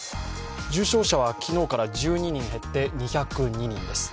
重症者は昨日から１２人減って２０２人です。